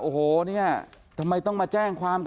โอ้โหเนี่ยทำไมต้องมาแจ้งความกัน